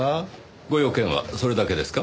ご用件はそれだけですか？